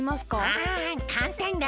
ああかんたんだ